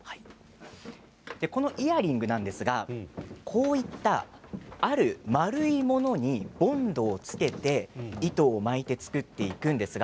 イヤリングはこういったある丸いものにボンドをつけて糸を巻いて作っていくんです。